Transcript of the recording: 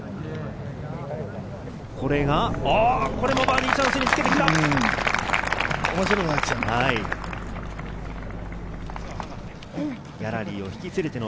これもバーディーチャンスにつけてきた。